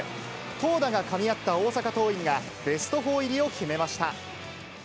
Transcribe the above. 投打がかみ合った大阪桐蔭が、ベスト４入りを決めました。